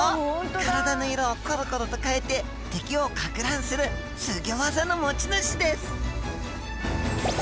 体の色をころころと変えて敵をかく乱するすギョ技の持ち主です！